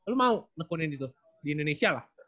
lu mau nekunin gitu di indonesia lah